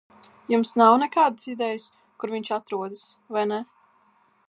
Jums nav nekādas idejas, kur viņš atrodas, vai ne?